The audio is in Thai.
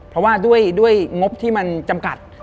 เพราะว่าด้วยงบที่มันจำกัด